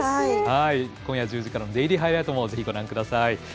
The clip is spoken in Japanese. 今夜１０時からの「デイリーハイライト」もぜひご覧ください。